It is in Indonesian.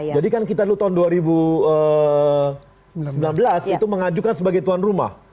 jadi kan kita dulu tahun dua ribu sembilan belas itu mengajukan sebagai tuan rumah